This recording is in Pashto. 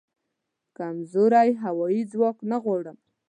کمزوری هوایې ځواک نه غواړم